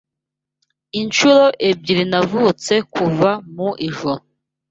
Inshuro ebyiri navutse kuva mu ijuru